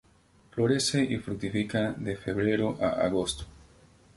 Florece y fructifica de Febrero a Agosto.